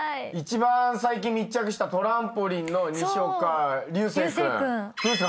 一番最近密着したトランポリンの西岡隆成君。